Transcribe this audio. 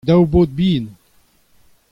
daou baotr bihan.